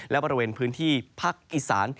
และบริเวณพื้นที่ภาคอีสาน